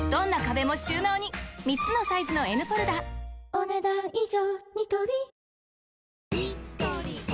お、ねだん以上。